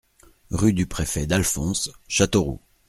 Rue du Préfet Dalphonse, Châteauroux